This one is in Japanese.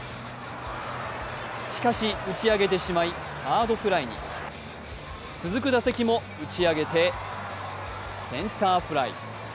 しかし打ち上げてしまいサードフライに続く打席も打ち上げてセンターフライ。